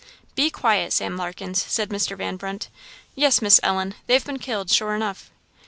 "Be quiet, Sam Larkens!" said Mr. Van Brunt. "Yes, Miss Ellen, they've been killed, sure enough."